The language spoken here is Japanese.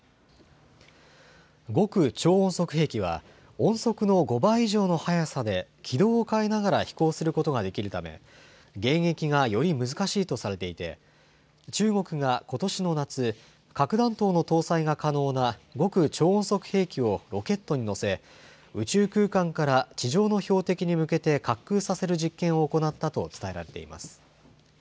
極超音速兵器は、音速の５倍以上の速さで軌道を変えながら飛行することができるため、迎撃がより難しいとされていて、中国がことしの夏、核弾頭の搭載が可能な、極超音速兵器をロケットに載せ、宇宙空間から地上の標的に向けて滑空させる実験を行ったと伝えられています。